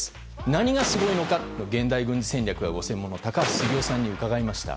何がすごいのかを現代軍事戦略がご専門の高橋杉雄さんに伺いました。